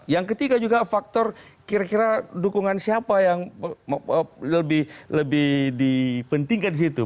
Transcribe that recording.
yang ketiga juga faktor kira kira dukungan siapa yang lebih dipentingkan di situ